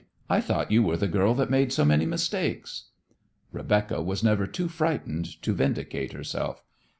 I thought you were the girl that made so many mistakes." Rebecca was never too frightened to vindicate herself.